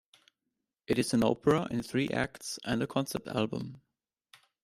It is an opera in three acts and a concept album.